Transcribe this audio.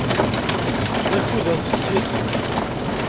D akud ad nesseɣsi aselkim.